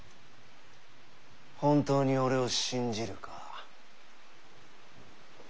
本当に俺を信じるか。